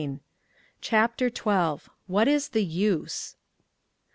CHAPTER XII. "WHAT IS THE USE?"